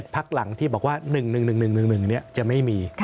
พักหลังที่บอกว่า๑๑๑๑๑๑๑๑จะไม่มี